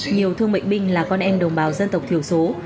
nhiều thương bệnh binh là con em đồng bào dân tộc thiểu số